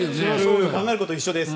考えることは一緒です。